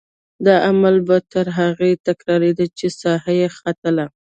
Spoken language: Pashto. دا عمل به تر هغې تکرارېده چې سا یې ختله.